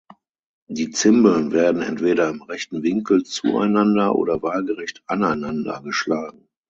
Die Zimbeln werden entweder im rechten Winkel zueinander oder waagrecht aneinander geschlagen.